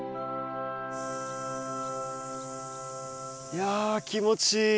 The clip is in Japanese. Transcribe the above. いや気持ちいい。